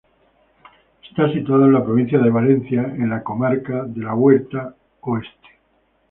Está situado en la provincia de Valencia, en la comarca de la Huerta Oeste.